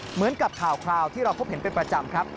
เหมือนกับข่าวคราวที่เราพบเห็นเป็นประจำครับ